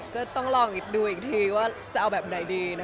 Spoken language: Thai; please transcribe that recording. ก็ต้องลองดูอีกทีว่าจะเอาแบบไหนดี